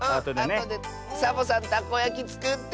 あとでサボさんタコやきつくって。